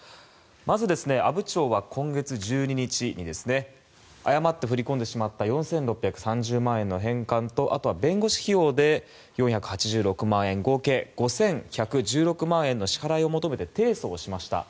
まず、阿武町は今月１２日に誤って振り込んでしまった４６３０万円の返還とあとは弁護士費用で４８６万円合計５１１６万円の支払いを求めて提訴しました。